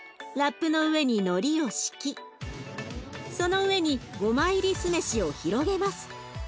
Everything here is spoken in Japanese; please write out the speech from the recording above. ラップの上にのりを敷きその上にごま入り酢飯を広げます。